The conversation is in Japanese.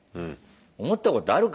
思ったことあるか？